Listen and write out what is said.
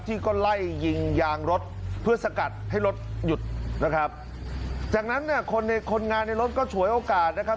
ที่ก็ไล่ยิงยางรถเพื่อสกัดให้รถหยุดนะครับจากนั้นเนี่ยคนในคนงานในรถก็ฉวยโอกาสนะครับ